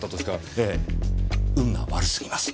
ええ運が悪すぎます。